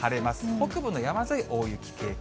北部の山沿い、大雪警戒。